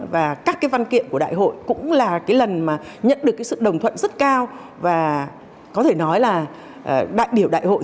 và các văn kiện của đại hội cũng là lần mà nhận được sự đồng thuận rất cao và có thể nói là đại biểu đại hội